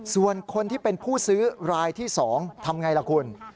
ส่วนคนที่เป็นผู้ซื้อรายที่๒ทำไงล่ะคุณ